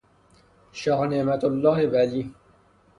شاه نعمتالله ولی